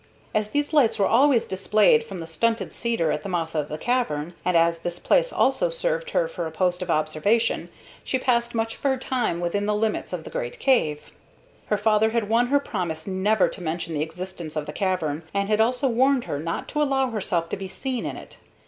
As these lights were always displayed from the stunted cedar at the mouth of the cavern, and as this place also served her for a post of observation, she passed much of her time within the limits of the great cave. Her father had won her promise never to mention the existence of the cavern, and had also warned her not to allow herself to be seen in it.